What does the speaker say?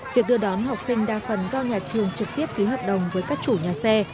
việc đưa đón học sinh đa phần do nhà trường trực tiếp ký hợp đồng với các chủ nhà xe